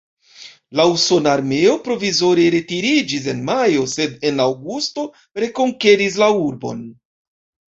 La usona armeo provizore retiriĝis en majo, sed en aŭgusto rekonkeris la urbon.